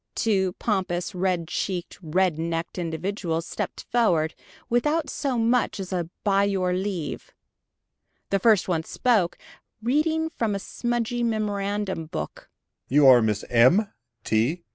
Two pompous, red cheeked, red necked individuals stepped forward, without so much as a "by your leave!" The first one spoke, reading from a smudgy memorandum book.